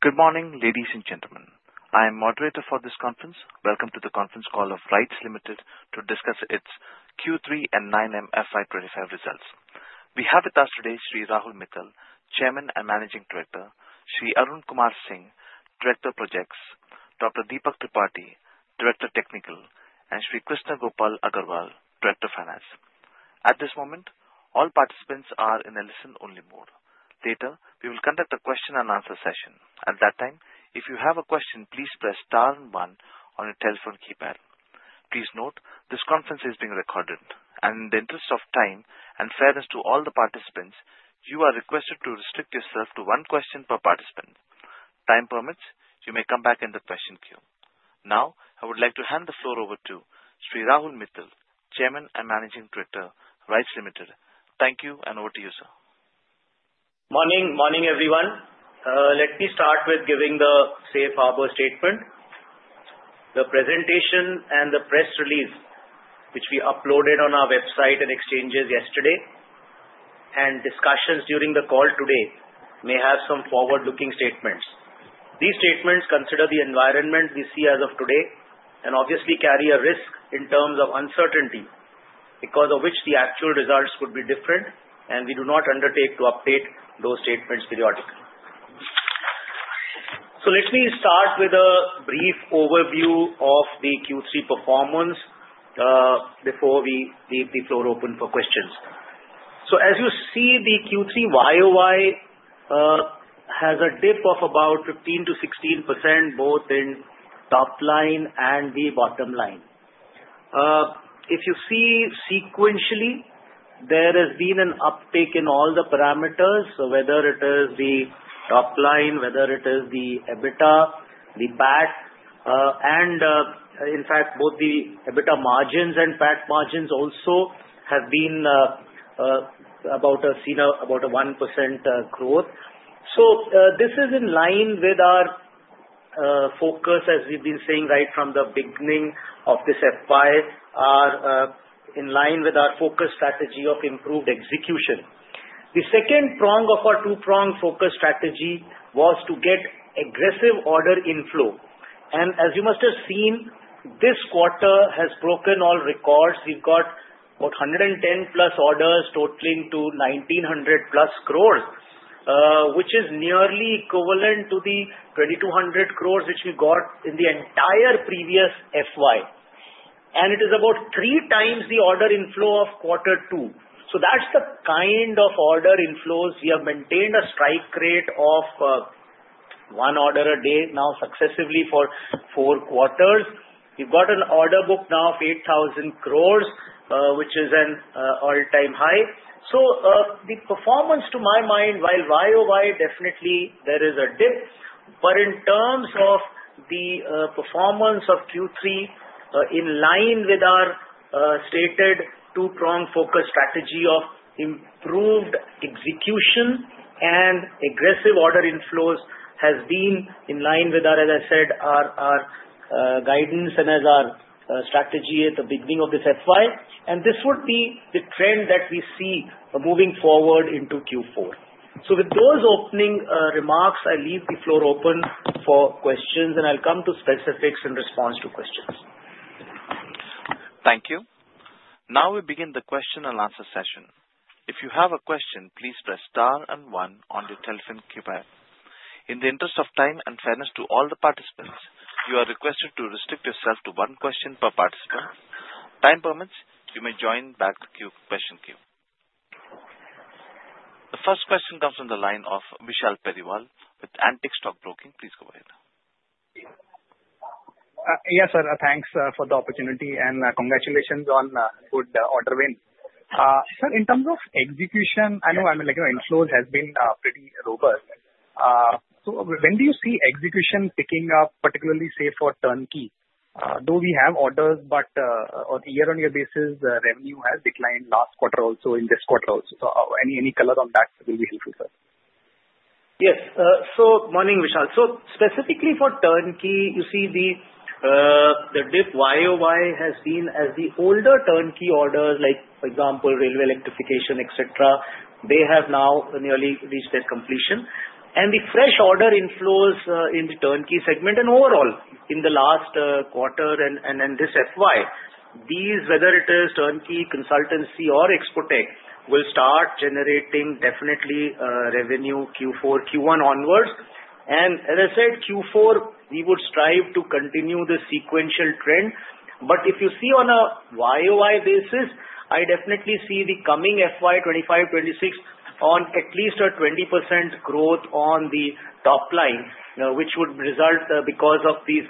Good morning, ladies and gentlemen. I am moderator for this conference. Welcome to the conference call of RITES Limited to discuss its Q3 and 9M FY25 results. We have with us today Sri Rahul Mithal, Chairman and Managing Director. Sri Arun Kumar Singh, Director of Projects. Dr. Deepak Tripathi, Director Technical. And Sri Krishna Gopal Agarwal, Director of Finance. At this moment, all participants are in a listen-only mode. Later, we will conduct a question-and-answer session. At that time, if you have a question, please press star and one on your telephone keypad. Please note, this conference is being recorded, and in the interest of time and fairness to all the participants, you are requested to restrict yourself to one question per participant. Time permits, you may come back in the question queue. Now, I would like to hand the floor over to Sri Rahul Mithal, Chairman and Managing Director, RITES Limited. Thank you, and over to you, sir. Morning, morning, everyone. Let me start with giving the Safe Harbor Statement. The presentation and the press release, which we uploaded on our website and exchanges yesterday, and discussions during the call today, may have some forward-looking statements. These statements consider the environment we see as of today and obviously carry a risk in terms of uncertainty, because of which the actual results could be different, and we do not undertake to update those statements periodically. So let me start with a brief overview of the Q3 performance before we leave the floor open for questions. So as you see, the Q3 YOY has a dip of about 15%-16%, both in top line and the bottom line. If you see sequentially, there has been an uptake in all the parameters, whether it is the top line, whether it is the EBITDA, the PAT, and in fact, both the EBITDA margins and PAT margins also have been about 1% growth, so this is in line with our focus, as we've been saying right from the beginning of this FY, in line with our focus strategy of improved execution. The second prong of our two-prong focus strategy was to get aggressive order inflow, and as you must have seen, this quarter has broken all records. We've got 110-plus orders totaling to 1,900-plus crores, which is nearly equivalent to the 2,200 crores which we got in the entire previous FY, and it is about three times the order inflow of quarter two, so that's the kind of order inflows. We have maintained a strike rate of one order a day now successively for four quarters. We've got an order book now of 8,000 crores, which is an all-time high. So the performance, to my mind, while YOY, definitely there is a dip. But in terms of the performance of Q3, in line with our stated two-prong focus strategy of improved execution and aggressive order inflows, has been in line with our, as I said, our guidance and as our strategy at the beginning of this FY. And this would be the trend that we see moving forward into Q4. So with those opening remarks, I leave the floor open for questions, and I'll come to specifics in response to questions. Thank you. Now we begin the question-and-answer session. If you have a question, please press star and one on your telephone keypad. In the interest of time and fairness to all the participants, you are requested to restrict yourself to one question per participant. Time permits, you may join back the question queue. The first question comes from the line of Vishal Periwal with Antique Stock Broking. Please go ahead. Yes, sir. Thanks for the opportunity, and congratulations on good order win. Sir, in terms of execution, I know inflows have been pretty robust. So when do you see execution picking up, particularly say for turnkey? Though we have orders, but on a year-on-year basis, revenue has declined last quarter also in this quarter also. So any color on that will be helpful, sir. Yes. So, morning, Vishal. So specifically for turnkey, you see the dip YoY has been as the older turnkey orders, like for example, railway electrification, etc., they have now nearly reached their completion. And the fresh order inflows in the turnkey segment and overall in the last quarter and this FY, these, whether it is turnkey consultancy or Expotec, will start generating definitely revenue Q4, Q1 onwards. And as I said, Q4, we would strive to continue the sequential trend. But if you see on a YoY basis, I definitely see the coming FY 2025-26 on at least a 20% growth on the top line, which would result because of these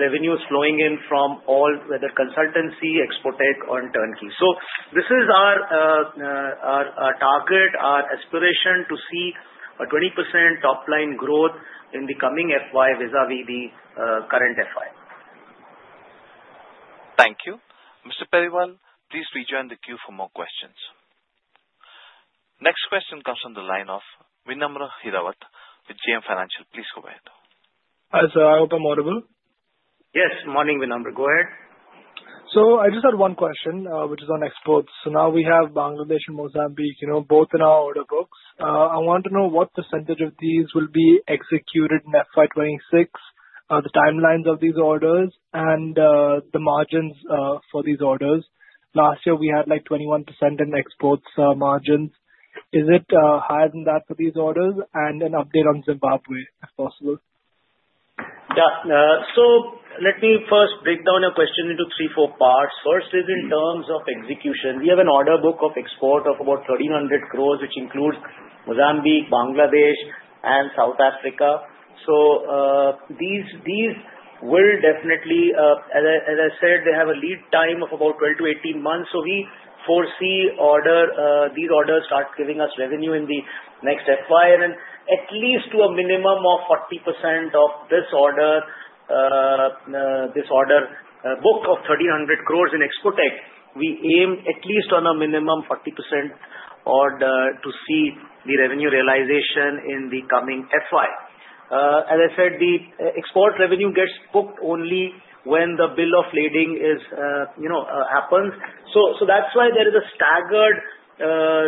revenues flowing in from all, whether consultancy, Expotec, or Turnkey. So this is our target, our aspiration to see a 20% top line growth in the coming FY vis-à-vis the current FY. Thank you. Mr. Periwal, please rejoin the queue for more questions. Next question comes from the line of Vinamra Hirawat with JM Financial. Please go ahead. Hi, sir. Am I audible. Yes. Morning, Vinamra. Go ahead. So I just had one question, which is on exports. So now we have Bangladesh and Mozambique, both in our order books. I want to know what percentage of these will be executed in FY 26, the timelines of these orders, and the margins for these orders. Last year, we had like 21% in exports margins. Is it higher than that for these orders? And an update on Zimbabwe, if possible. Yeah. So let me first break down your question into three, four parts. First is in terms of execution. We have an order book of export of about 1,300 crores, which includes Mozambique, Bangladesh, and South Africa. So these will definitely, as I said, they have a lead time of about 12-18 months. So we foresee these orders start giving us revenue in the next FY, and at least to a minimum of 40% of this order book of 1,300 crores in Expotec. We aim at least on a minimum 40% order to see the revenue realization in the coming FY. As I said, the export revenue gets booked only when the Bill of Lading happens. So that's why there is a staggered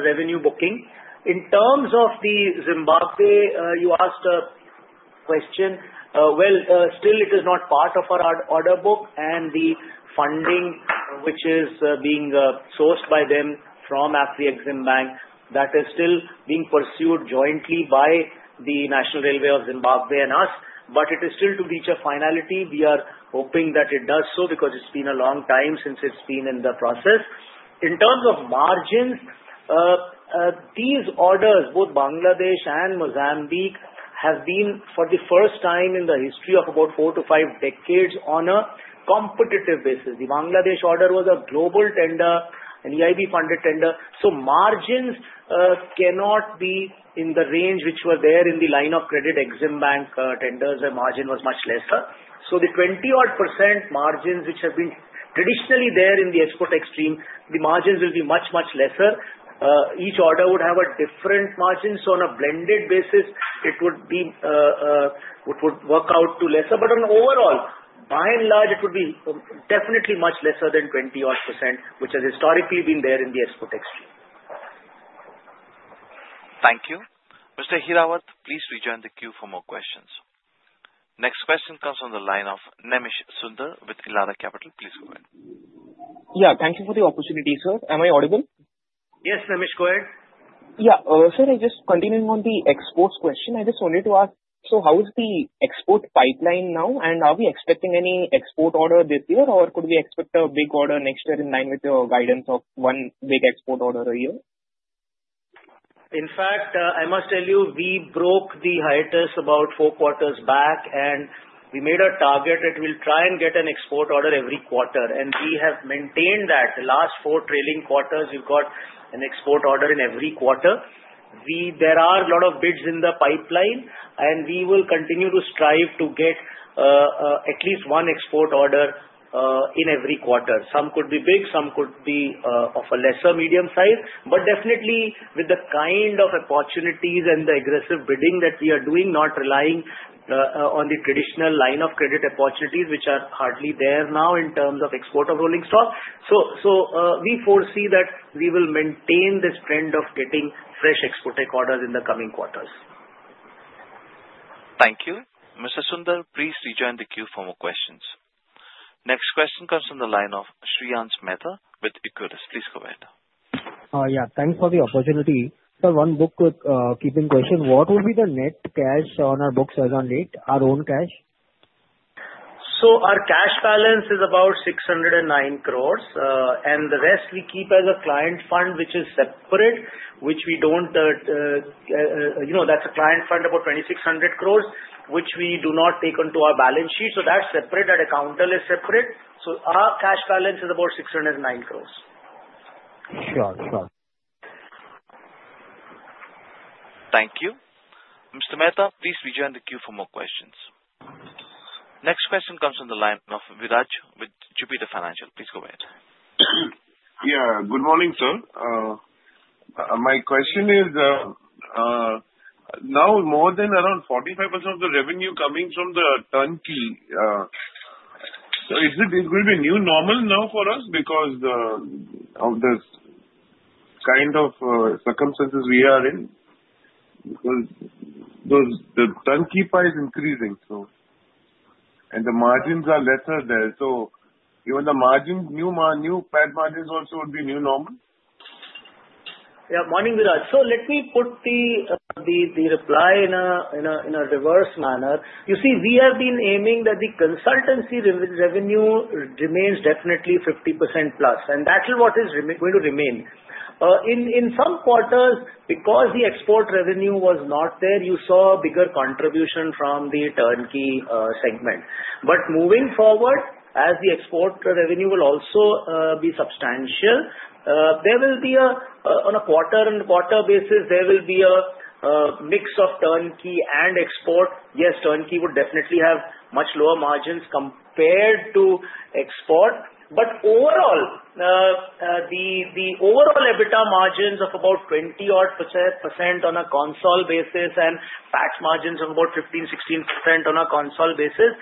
revenue booking. In terms of the Zimbabwe, you asked a question. Still, it is not part of our order book, and the funding, which is being sourced by them from Afreximbank, that is still being pursued jointly by the National Railways of Zimbabwe and us. But it is still to reach a finality. We are hoping that it does so because it's been a long time since it's been in the process. In terms of margins, these orders, both Bangladesh and Mozambique, have been for the first time in the history of about four to five decades on a competitive basis. The Bangladesh order was a global tender, an EIB-funded tender. So margins cannot be in the range which were there in the line of credit Exim Bank tenders. The margin was much lesser. So the 20-odd% margins which have been traditionally there in the export stream, the margins will be much, much lesser. Each order would have a different margin. So on a blended basis, it would work out to lesser. But overall, by and large, it would be definitely much lesser than 20-odd%, which has historically been there in the export stream. Thank you. Mr. Hirawat, please rejoin the queue for more questions. Next question comes from the line of Nemish Sundar with Elara Capital. Please go ahead. Yeah. Thank you for the opportunity, sir. Am I audible? Yes, Nemish, go ahead. Yeah. Sir, just continuing on the exports question, I just wanted to ask, so how is the export pipeline now? And are we expecting any export order this year, or could we expect a big order next year in line with your guidance of one big export order a year? In fact, I must tell you, we broke the hiatus about four quarters back, and we made a target that we'll try and get an export order every quarter. And we have maintained that. The last four trailing quarters, we've got an export order in every quarter. There are a lot of bids in the pipeline, and we will continue to strive to get at least one export order in every quarter. Some could be big, some could be of a lesser medium size. But definitely, with the kind of opportunities and the aggressive bidding that we are doing, not relying on the traditional line of credit opportunities, which are hardly there now in terms of export of rolling stock. So we foresee that we will maintain this trend of getting fresh Expotec orders in the coming quarters. Thank you. Mr. Sundar, please rejoin the queue for more questions. Next question comes from the line of Shreyans Mehta with Equirus Securities. Please go ahead. Yeah. Thanks for the opportunity. Sir, one bookkeeping question. What will be the net cash on our books as of late, our own cash? Our cash balance is about 609 crores, and the rest we keep as a client fund, which is separate, which we don't, that's a client fund of about 2,600 crores, which we do not take onto our balance sheet. That's separate. That account is separate. Our cash balance is about 609 crores. Sure, sure. Thank you. Mr. Mehta, please rejoin the queue for more questions. Next question comes from the line of Viraj with Jupiter Financial. Please go ahead. Yeah. Good morning, sir. My question is, now more than around 45% of the revenue coming from the turnkey. So is it going to be a new normal now for us because of the kind of circumstances we are in? Because the turnkey price is increasing, and the margins are lesser there. So even the margins, new PAT margins also would be a new normal? Yeah. Morning, Viraj. So let me put the reply in a reverse manner. You see, we have been aiming that the consultancy revenue remains definitely 50%+, and that is what is going to remain. In some quarters, because the export revenue was not there, you saw a bigger contribution from the turnkey segment. But moving forward, as the export revenue will also be substantial, there will be, on a quarter-on-quarter basis, a mix of turnkey and export. Yes, turnkey would definitely have much lower margins compared to export. But overall, the EBITDA margins of about 20-odd% on a console basis and PAT margins of about 15%-16% on a console basis,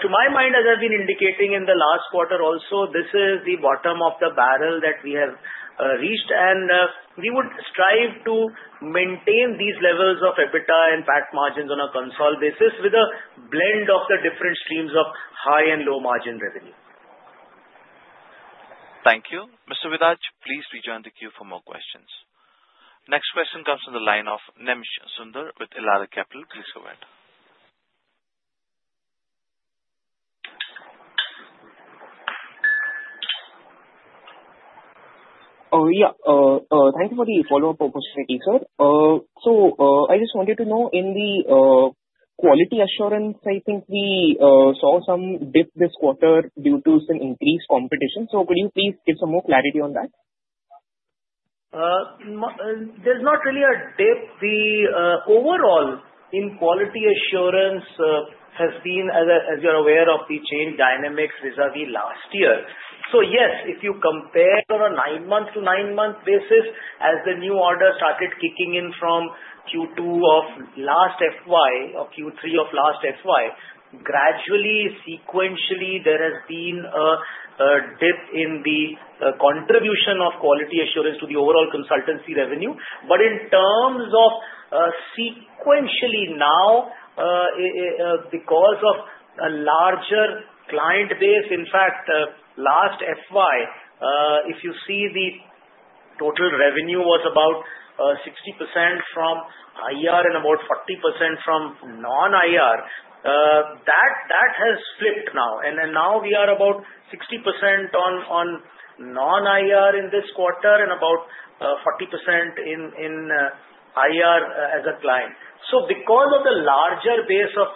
to my mind, as I've been indicating in the last quarter also, this is the bottom of the barrel that we have reached. We would strive to maintain these levels of EBITDA and PAT margins on a console basis with a blend of the different streams of high and low margin revenue. Thank you. Mr. Viraj, please rejoin the queue for more questions. Next question comes from the line of Nemish Sundar with Elara Capital. Please go ahead. Oh, yeah. Thank you for the follow-up opportunity, sir. So I just wanted to know, in the quality assurance, I think we saw some dip this quarter due to some increased competition. So could you please give some more clarity on that? There's not really a dip. Overall, in quality assurance, has been, as you're aware of, the change dynamics vis-à-vis last year, so yes, if you compare on a nine-month-to-nine-month basis, as the new orders started kicking in from Q2 of last FY or Q3 of last FY, gradually, sequentially, there has been a dip in the contribution of quality assurance to the overall consultancy revenue, but in terms of sequentially now, because of a larger client base, in fact, last FY, if you see the total revenue was about 60% from IR and about 40% from non-IR, that has flipped now, and now we are about 60% on non-IR in this quarter and about 40% in IR as a client, so because of the larger base of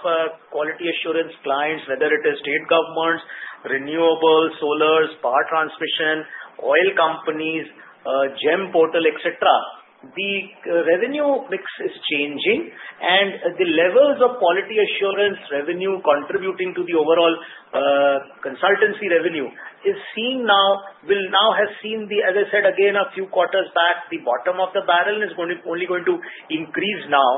quality assurance clients, whether it is state governments, renewables, solars, power transmission, oil companies, GeM Portal, etc., the revenue mix is changing. The levels of quality assurance revenue contributing to the overall consultancy revenue will now have seen, as I said again a few quarters back, the bottom of the barrel is only going to increase now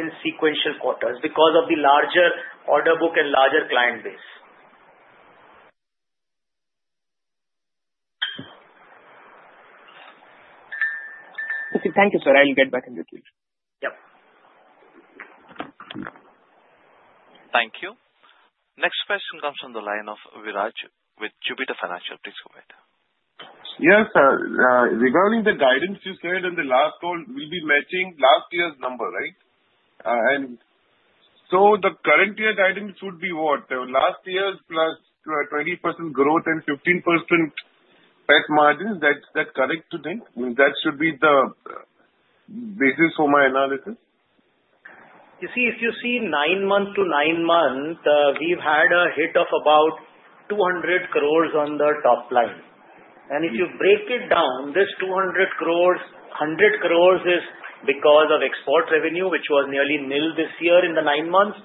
in sequential quarters because of the larger order book and larger client base. Okay. Thank you, sir. I'll get back in the queue. Yep. Thank you. Next question comes from the line of Viraj with Jupiter Financial. Please go ahead. Yes, sir. Regarding the guidance you said in the last call, we'll be matching last year's number, right? And so the current year guidance would be what? Last year plus 20% growth and 15% PAT margins, that's correct to think? That should be the basis for my analysis. You see, if you see nine months to nine months, we've had a hit of about 200 crores on the top line. And if you break it down, this 200 crores, 100 crores is because of export revenue, which was nearly nil this year in the nine months.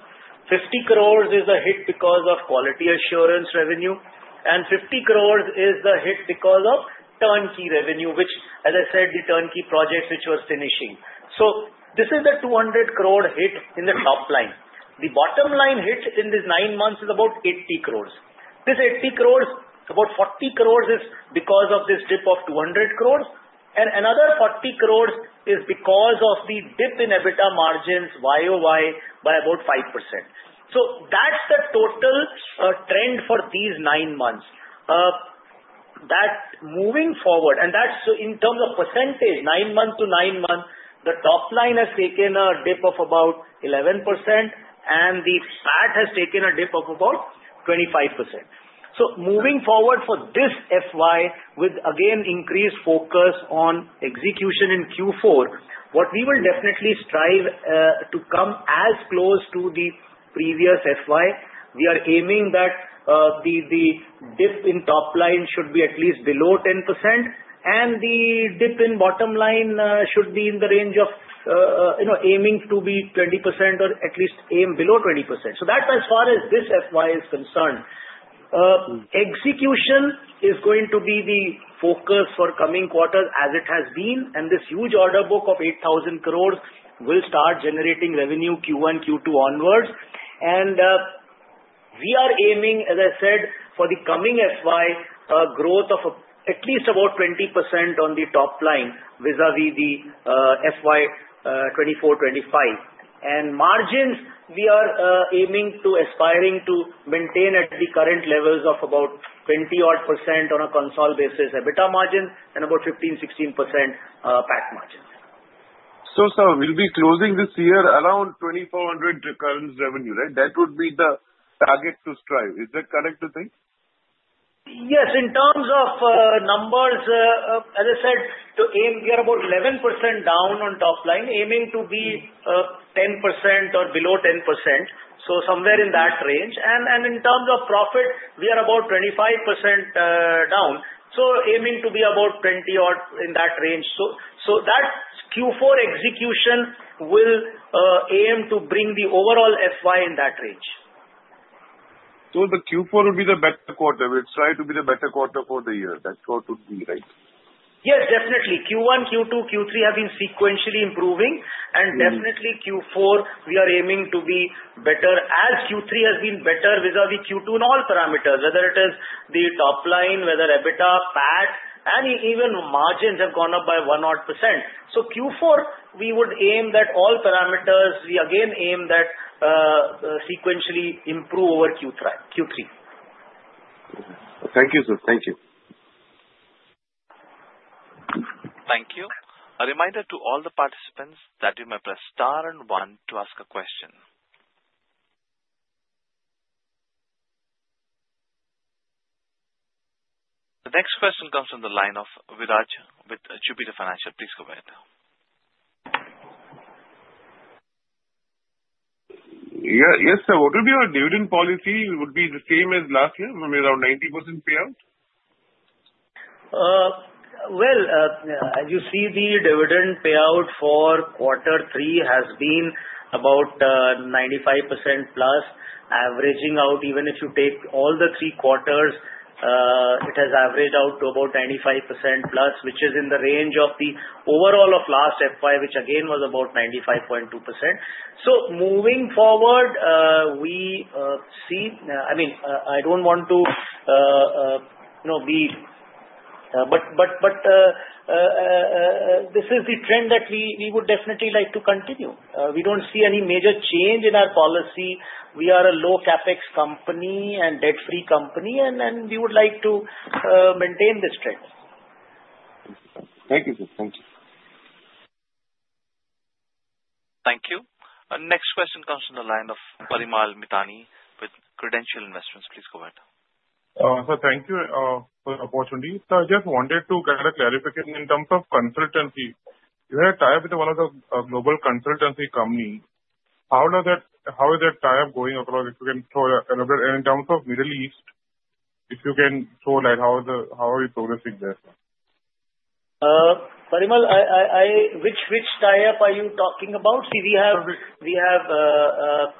50 crores is a hit because of quality assurance revenue. And 50 crores is the hit because of turnkey revenue, which, as I said, the turnkey projects which were finishing. So this is the 200 crore hit in the top line. The bottom line hit in these nine months is about 80 crores. This 80 crores, about 40 crores is because of this dip of 200 crores. And another 40 crores is because of the dip in EBITDA margins YOY by about 5%. So that's the total trend for these nine months. Moving forward, and that's in terms of percentage, nine months to nine months, the top line has taken a dip of about 11%, and the PAT has taken a dip of about 25%. So moving forward for this FY, with again increased focus on execution in Q4, what we will definitely strive to come as close to the previous FY. We are aiming that the dip in top line should be at least below 10%, and the dip in bottom line should be in the range of aiming to be 20% or at least aim below 20%. So that's as far as this FY is concerned. Execution is going to be the focus for coming quarters as it has been. And this huge order book of 8,000 crores will start generating revenue Q1, Q2 onwards. We are aiming, as I said, for the coming FY, growth of at least about 20% on the top line vis-à-vis the FY 2024-25. Margins, we are aiming to aspire to maintain at the current levels of about 20-odd% on a console basis EBITDA margins and about 15%-16% PAT margins. Sir, we'll be closing this year around 2,400 recurring revenue, right? That would be the target to strive. Is that correct to think? Yes. In terms of numbers, as I said, we are about 11% down on top line, aiming to be 10% or below 10%. So somewhere in that range. And in terms of profit, we are about 25% down. So aiming to be about 20-odd in that range. So that Q4 execution will aim to bring the overall FY in that range. So the Q4 will be the better quarter. We'll strive to be the better quarter for the year. That's what would be, right? Yes, definitely. Q1, Q2, Q3 have been sequentially improving, and definitely Q4, we are aiming to be better as Q3 has been better vis-à-vis Q2 in all parameters, whether it is the top line, whether EBITDA, PAT, and even margins have gone up by one-odd %, so Q4, we would aim that all parameters, we again aim that sequentially improve over Q3. Thank you, sir. Thank you. Thank you. A reminder to all the participants that you may press star and one to ask a question. The next question comes from the line of Viraj with Jupiter Financial. Please go ahead. Yes, sir. What would be our dividend policy? Would it be the same as last year? I mean, around 90% payout? As you see, the dividend payout for quarter three has been about 95%+. Averaging out, even if you take all the three quarters, it has averaged out to about 95%+, which is in the range of the overall of last FY, which again was about 95.2%. Moving forward, we see, I mean, I don't want to be, but this is the trend that we would definitely like to continue. We don't see any major change in our policy. We are a low CapEx company and debt-free company, and we would like to maintain this trend. Thank you, sir. Thank you. Thank you. Next question comes from the line of Parimal Mithani with Credent Asset Management. Please go ahead. Sir, thank you for the opportunity. Sir, I just wanted to get a clarification in terms of consultancy. You had a tie-up with one of the global consultancy companies. How is that tie-up going across? If you can throw a little bit in terms of Middle East, if you can throw light, how are you progressing there? Parimal, which tie-up are you talking about? See, we have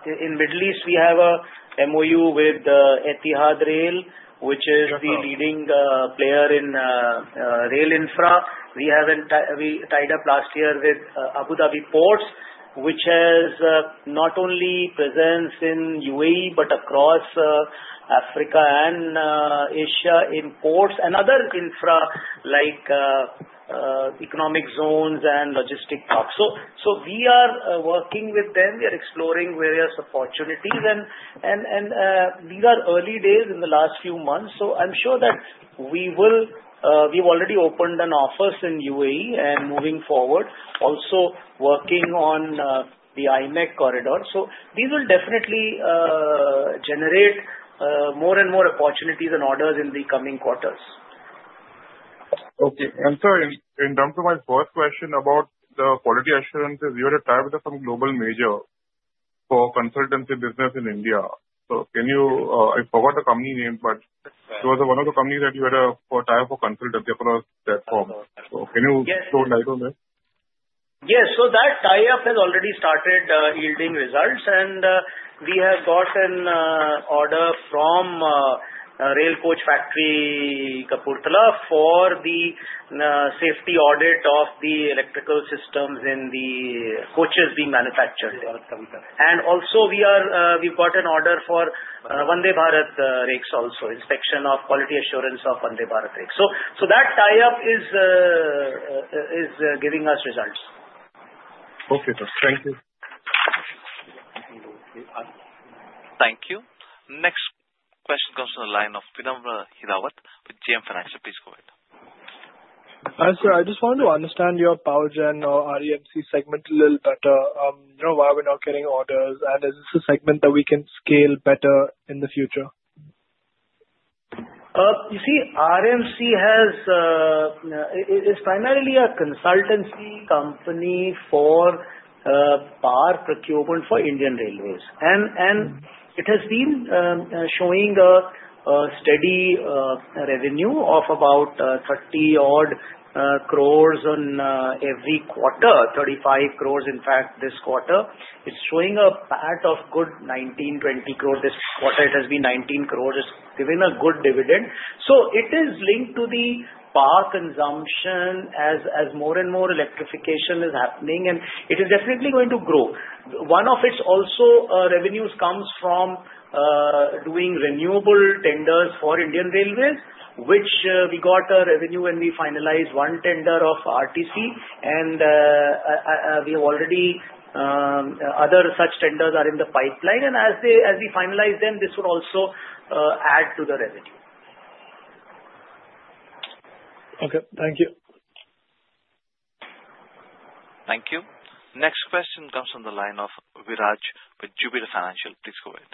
in Middle East, we have a MoU with Etihad Rail, which is the leading player in rail infra. We tied up last year with Abu Dhabi Ports, which has not only presence in UAE but across Africa and Asia in ports and other infra like economic zones and logistics hubs. So we are working with them. We are exploring various opportunities, and these are early days in the last few months. So I'm sure that we will. We've already opened an office in UAE and moving forward, also working on the IMEC corridor. So these will definitely generate more and more opportunities and orders in the coming quarters. Okay. And sir, in terms of my first question about the quality assurances, you had a tie-up with some global major for consultancy business in India. So can you, I forgot the company name, but it was one of the companies that you had a tie-up for consultancy across that form. So can you throw light on that? Yes, so that tie-up has already started yielding results, and we have got an order from Rail Coach Factory, Kapurthala for the safety audit of the electrical systems in the coaches being manufactured, and also, we've got an order for Vande Bharat Rakes also, inspection of quality assurance of Vande Bharat Rakes, so that tie-up is giving us results. Okay, sir. Thank you. Thank you. Next question comes from the line of Vinamra Hirawat with JM Financial. Please go ahead. Sir, I just want to understand your PowerGen or REMC segment a little better. Why are we not getting orders, and is this a segment that we can scale better in the future? You see, REMC has. It's primarily a consultancy company for power procurement for Indian Railways. And it has been showing a steady revenue of about 30-odd crores on every quarter, 35 crores in fact this quarter. It's showing a PAT of good 19, 20 crores this quarter. It has been 19 crores. It's given a good dividend. So it is linked to the power consumption as more and more electrification is happening, and it is definitely going to grow. One of its also revenues comes from doing renewable tenders for Indian Railways, which we got a revenue when we finalized one tender of RTC. And we have already other such tenders are in the pipeline. And as we finalize them, this will also add to the revenue. Okay. Thank you. Thank you. Next question comes from the line of Viraj with Jupiter Financial. Please go ahead.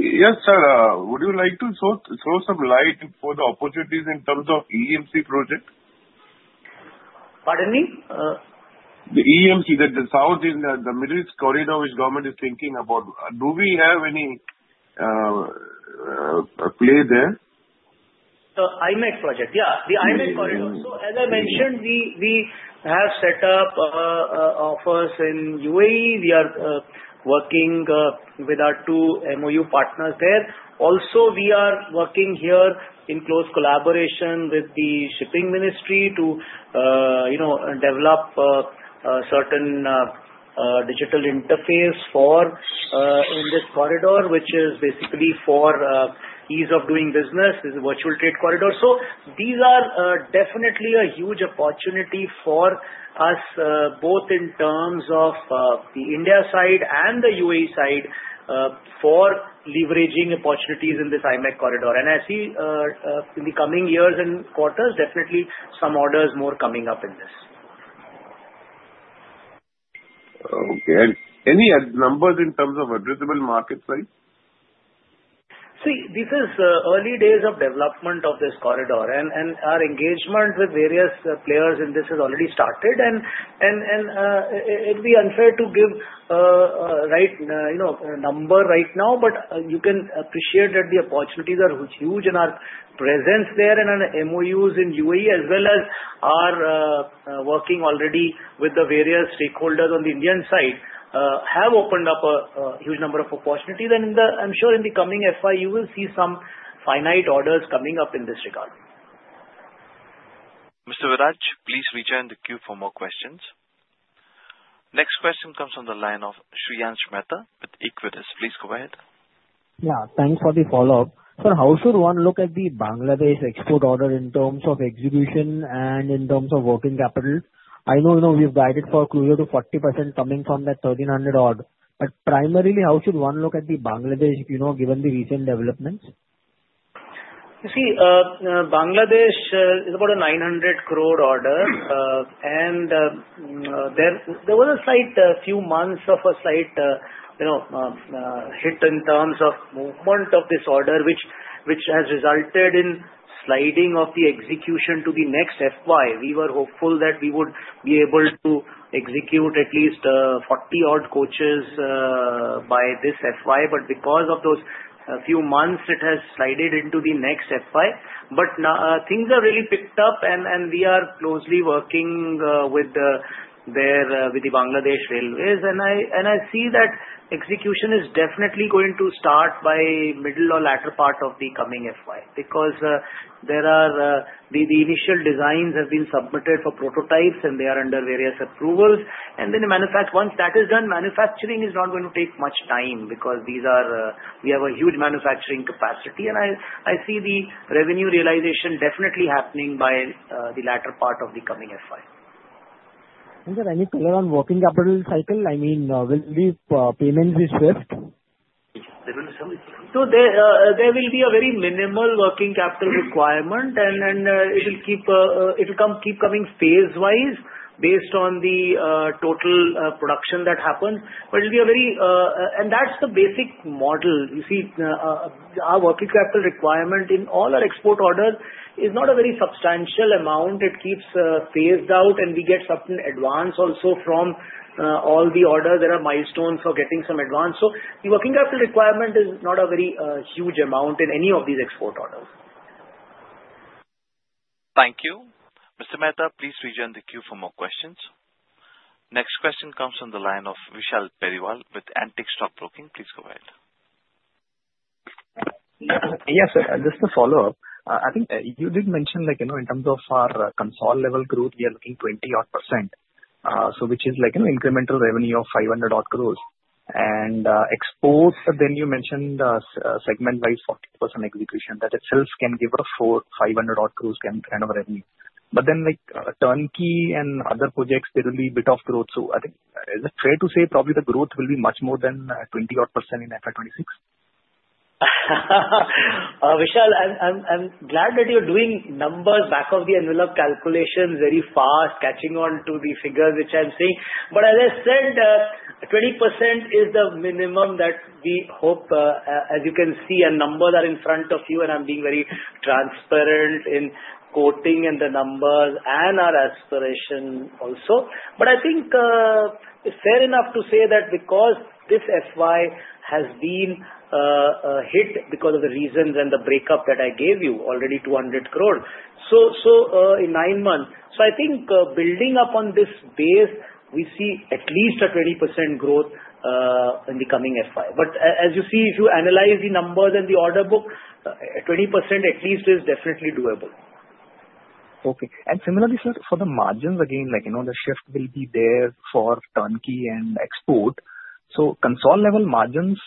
Yes, sir. Would you like to throw some light for the opportunities in terms of IMEC project? Pardon me? The IMEC, the one in the Middle East corridor which the government is thinking about, do we have any play there? The IMEC project. Yeah. The IMEC corridor. So as I mentioned, we have set up offices in UAE. We are working with our two MoU partners there. Also, we are working here in close collaboration with the Shipping Ministry to develop a certain digital interface for this corridor, which is basically for ease of doing business, is a virtual trade corridor. So these are definitely a huge opportunity for us, both in terms of the India side and the UAE side for leveraging opportunities in this IMEC corridor, and I see in the coming years and quarters, definitely some orders more coming up in this. Okay. And any numbers in terms of addressable market size? See, this is early days of development of this corridor. And our engagement with various players in this has already started. And it would be unfair to give a number right now, but you can appreciate that the opportunities are huge in our presence there and our MoUs in UAE, as well as our working already with the various stakeholders on the Indian side have opened up a huge number of opportunities. And I'm sure in the coming FY, you will see some finite orders coming up in this regard. Mr. Viraj, please rejoin the queue for more questions. Next question comes from the line of Shreyans Mehta with Equirus. Please go ahead. Yeah. Thanks for the follow-up. Sir, how should one look at the Bangladesh export order in terms of execution and in terms of working capital? I know we've guided for closer to 40% coming from that 1,300-odd. But primarily, how should one look at the Bangladesh given the recent developments? You see, Bangladesh is about a 900 crore order. And there was a few months of a slight hit in terms of movement of this order, which has resulted in sliding of the execution to the next FY. We were hopeful that we would be able to execute at least 40-odd coaches by this FY. But because of those few months, it has slided into the next FY. But things have really picked up, and we are closely working with the Bangladesh Railway. And I see that execution is definitely going to start by middle or latter part of the coming FY because the initial designs have been submitted for prototypes, and they are under various approvals. And then once that is done, manufacturing is not going to take much time because we have a huge manufacturing capacity. I see the revenue realization definitely happening by the latter part of the coming FY. Is there any color on working capital cycle? I mean, will the payments be swift? So there will be a very minimal working capital requirement, and it will keep coming phase-wise based on the total production that happens. But it will be a very, and that's the basic model. You see, our working capital requirement in all our export orders is not a very substantial amount. It keeps phased out, and we get something advanced also from all the orders. There are milestones for getting some advance. So the working capital requirement is not a very huge amount in any of these export orders. Thank you. Mr. Mehta, please rejoin the queue for more questions. Next question comes from the line of Vishal Periwal with Antique Stock Broking. Please go ahead. Yes, sir. Just to follow up, I think you did mention that in terms of our consolidated-level growth, we are looking 20-odd%, which is incremental revenue of 500-odd crores. And exports, then you mentioned segment-wise 40% execution that itself can give a 500-odd crores kind of revenue. But then turnkey and other projects, there will be a bit of growth. So I think is it fair to say probably the growth will be much more than 20-odd% in FY26? Vishal, I'm glad that you're doing back-of-the-envelope calculations very fast on the numbers, catching on to the figures which I'm seeing. But as I said, 20% is the minimum that we hope. As you can see, the numbers are in front of you, and I'm being very transparent in quoting the numbers and our aspiration also. But I think it's fair enough to say that because this FY has been hit because of the reasons and the breakup that I gave you, already 200 crores in nine months. So I think building upon this base, we see at least a 20% growth in the coming FY. But as you see, if you analyze the numbers and the order book, 20% at least is definitely doable. Okay. Similarly, sir, for the margins again, the shift will be there for turnkey and export. So console-level margins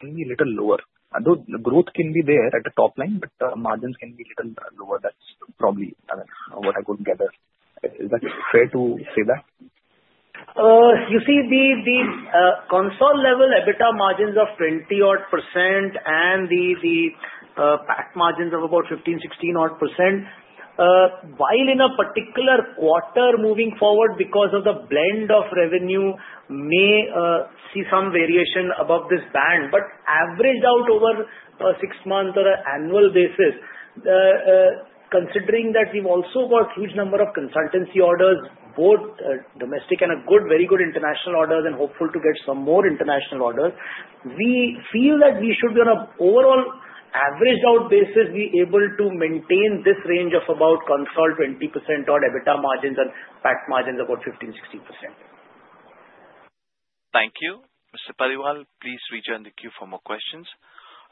can be a little lower. Although the growth can be there at the top line, but margins can be a little lower. That's probably what I gathered. Is that fair to say that? You see, the console-level EBITDA margins of 20-odd% and the PAT margins of about 15, 16-odd%, while in a particular quarter moving forward, because of the blend of revenue, may see some variation above this band. But averaged out over six months on an annual basis, considering that we've also got a huge number of consultancy orders, both domestic and very good international orders, and hopeful to get some more international orders, we feel that we should be on an overall averaged-out basis, be able to maintain this range of about console 20%-odd EBITDA margins and PAT margins about 15, 16%. Thank you. Mr. Parimal, please rejoin the queue for more questions.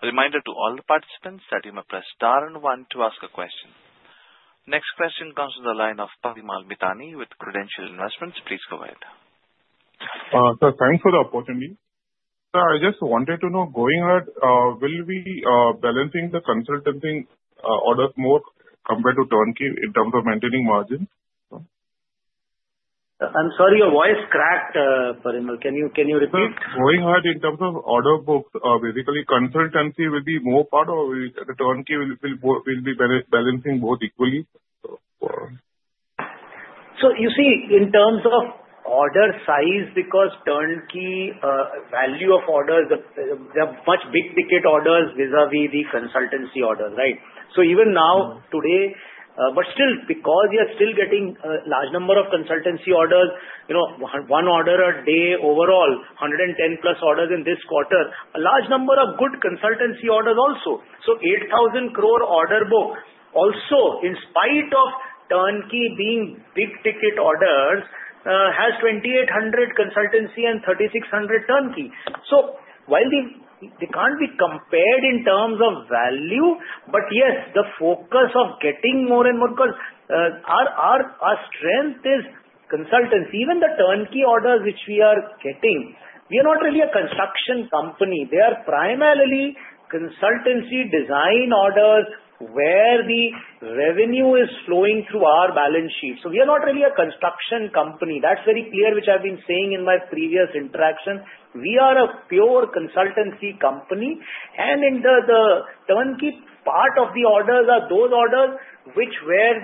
A reminder to all the participants that you may press star and one to ask a question. Next question comes from the line of Parimal Mithani with Credent Asset Management. Please go ahead. Sir, thanks for the opportunity. Sir, I just wanted to know, going ahead, will we be balancing the consultancy orders more compared to turnkey in terms of maintaining margins? I'm sorry, your voice cracked, Parimal. Can you repeat? Going ahead, in terms of order books, basically, consultancy will be more part, or turnkey will be balancing both equally? So you see, in terms of order size, because turnkey value of orders, they're much big-ticket orders vis-à-vis the consultancy orders, right? So even now, today, but still, because we are still getting a large number of consultancy orders, one order a day overall, 110-plus orders in this quarter, a large number of good consultancy orders also. So 8,000 crore order book, also, in spite of turnkey being big-ticket orders, has 2,800 consultancy and 3,600 turnkey. So while they can't be compared in terms of value, but yes, the focus of getting more and more because our strength is consultancy. Even the turnkey orders which we are getting, we are not really a construction company. They are primarily consultancy design orders where the revenue is flowing through our balance sheet. So we are not really a construction company. That's very clear which I've been saying in my previous interactions. We are a pure consultancy company. And in the turnkey part of the orders are those orders which, where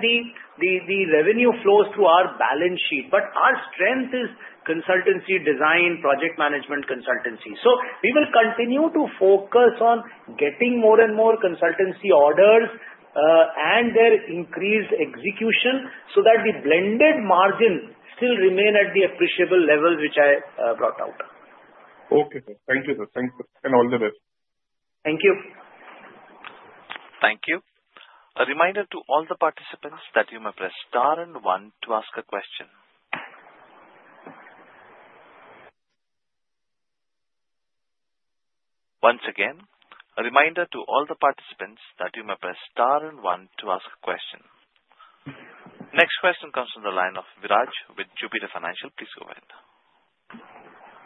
the revenue flows through our balance sheet. But our strength is consultancy design, project management consultancy. So we will continue to focus on getting more and more consultancy orders and their increased execution so that the blended margin still remains at the appreciable levels which I brought out. Okay, sir. Thank you, sir. Thanks, sir. And all the best. Thank you. Thank you. A reminder to all the participants that you may press star and one to ask a question. Once again, a reminder to all the participants that you may press star and one to ask a question. Next question comes from the line of Viraj with Jupiter Financial. Please go ahead.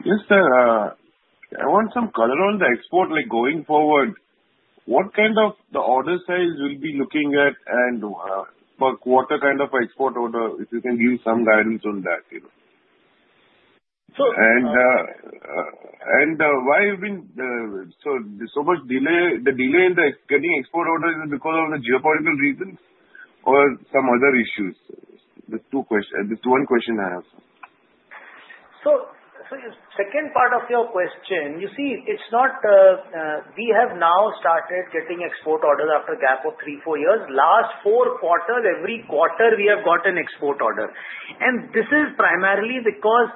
Yes, sir. I want some color on the export going forward. What kind of the order size will be looking at and per quarter kind of export order, if you can give some guidance on that? And why have been so much delay? The delay in getting export orders is because of the geopolitical reasons or some other issues? That's one question I have. So second part of your question, you see, it's not we have now started getting export orders after a gap of three, four years. Last four quarters, every quarter, we have got an export order. And this is primarily because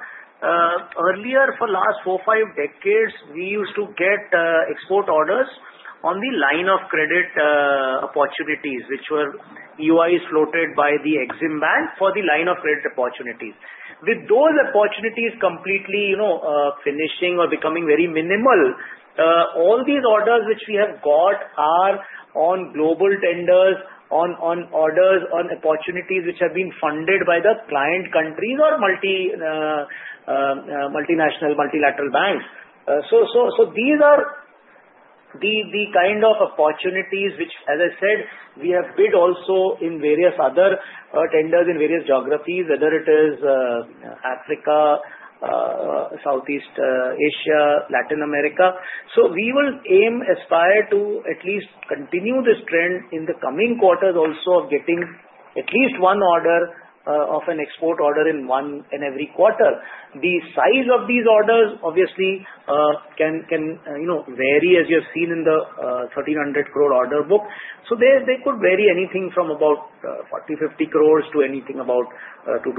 earlier for the last four, five decades, we used to get export orders on the line of credit opportunities, which were EOIs floated by the Exim Bank for the line of credit opportunities. With those opportunities completely finishing or becoming very minimal, all these orders which we have got are on global tenders, on orders, on opportunities which have been funded by the client countries or multinational multilateral banks. So these are the kind of opportunities which, as I said, we have bid also in various other tenders in various geographies, whether it is Africa, Southeast Asia, Latin America. We will aim, aspire to at least continue this trend in the coming quarters also of getting at least one order of an export order in every quarter. The size of these orders, obviously, can vary as you have seen in the 1,300-crore order book. They could vary anything from about 40-50 crores to anything about 200-300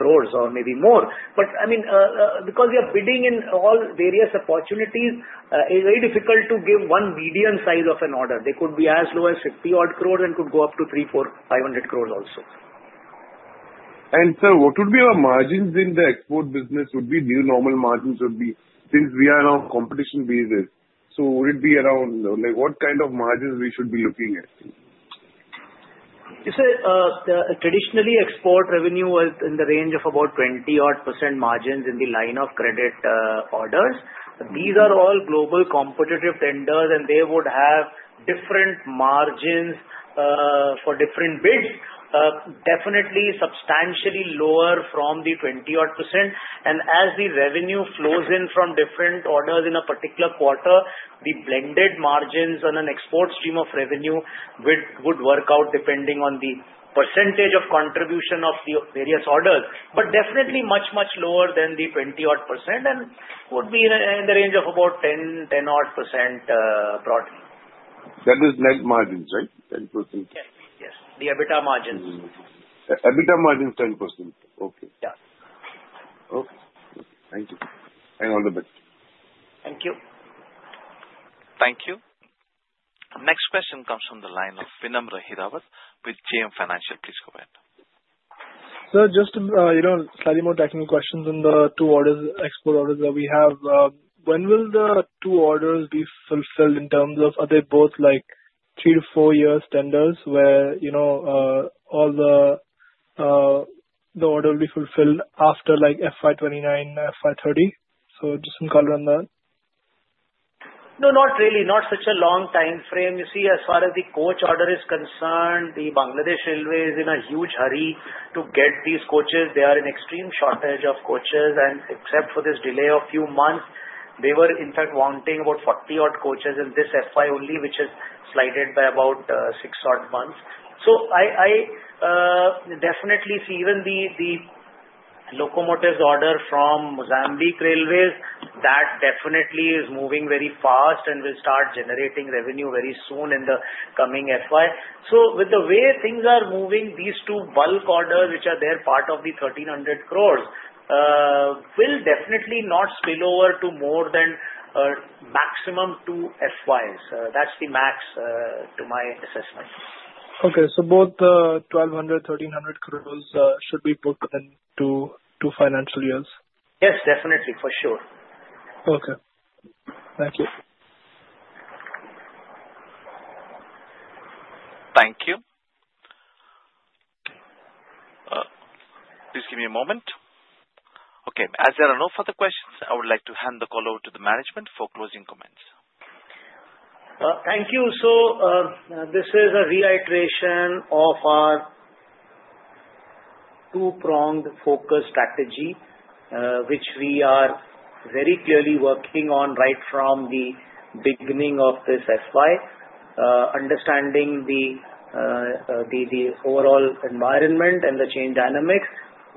crores or maybe more. But I mean, because we are bidding in all various opportunities, it is very difficult to give one median size of an order. They could be as low as 50-odd crores and could go up to 300-500 crores also. And sir, what would be our margins in the export business? Would be new normal margins would be since we are on a competitive basis. So would it be around what kind of margins we should be looking at? You see, traditionally, export revenue was in the range of about 20-odd% margins in the line of credit orders. These are all global competitive tenders, and they would have different margins for different bids, definitely substantially lower from the 20-odd%. And as the revenue flows in from different orders in a particular quarter, the blended margins on an export stream of revenue would work out depending on the percentage of contribution of the various orders, but definitely much, much lower than the 20-odd% and would be in the range of about 10-odd% broadly. That is net margins, right? 10%? Yes. The EBITDA margins. EBITDA margins, 10%. Okay. Yeah. Okay. Thank you. And all the best. Thank you. Thank you. Next question comes from the line of Vinamra Hirawat with JM Financial. Please go ahead. Sir, just slightly more technical questions on the two export orders that we have. When will the two orders be fulfilled in terms of are they both three-to-four-year tenders where all the orders will be fulfilled after FY29, FY30? So just some color on that. No, not really. Not such a long time frame. You see, as far as the coach order is concerned, the Bangladesh Railway is in a huge hurry to get these coaches. They are in extreme shortage of coaches. And except for this delay of a few months, they were, in fact, wanting about 40-odd coaches in this FY only, which has slid by about six-odd months. So I definitely see even the locomotives order from Mozambique Railways, that definitely is moving very fast and will start generating revenue very soon in the coming FY. So with the way things are moving, these two bulk orders, which are there part of the 1,300 crores, will definitely not spill over to more than maximum two FYs. That's the max to my assessment. Okay, so both 1,200, 1,300 crores should be booked within two financial years? Yes, definitely. For sure. Okay. Thank you. Thank you. Please give me a moment. Okay. As there are no further questions, I would like to hand the call over to the management for closing comments. Thank you. So this is a reiteration of our two-pronged focus strategy, which we are very clearly working on right from the beginning of this FY, understanding the overall environment and the change dynamics.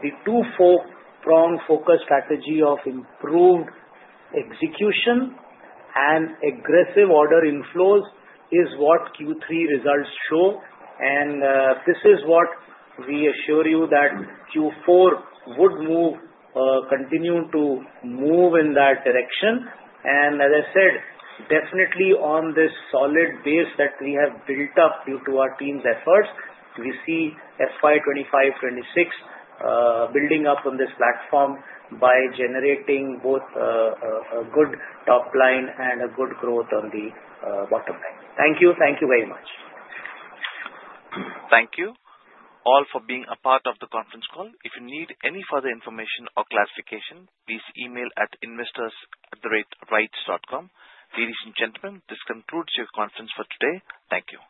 The two-pronged focus strategy of improved execution and aggressive order inflows is what Q3 results show. And this is what we assure you that Q4 would continue to move in that direction. And as I said, definitely on this solid base that we have built up due to our team's efforts, we see FY25, 26 building up on this platform by generating both a good top line and a good growth on the bottom line. Thank you. Thank you very much. Thank you all for being a part of the conference call. If you need any further information or clarification, please email at investors@rites.com. Ladies and gentlemen, this concludes your conference for today. Thank you.